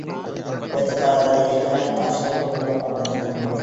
এত তাড়াতাড়ি এখানে আসার জন্য আপনাকে ধন্যবাদ।